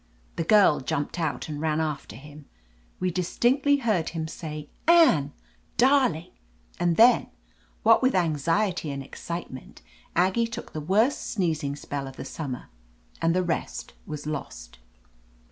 The girl jumped out and ran after him. We distinctly heard him say, "Anne! Darling!" And then, what with anxiety and excitement, Aggie took the worst sneezing spell of the summer, and the rest was lost.